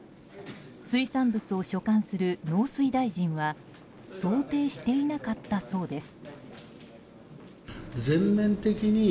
水産物を所管する農水大臣は想定していなかったそうです。